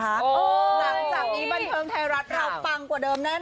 หลังจากนี้บันเทิงไทยรัฐเราปังกว่าเดิมแน่น